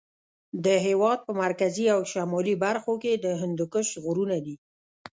د هېواد په مرکزي او شمالي برخو کې د هندوکش غرونه دي.